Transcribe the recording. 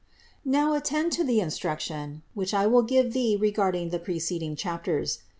177. Now attend to the instruction, which I will give thee regarding the preceding chapters.